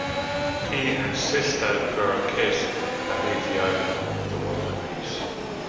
He and Sistah Girl kiss and leave the island, the world at peace.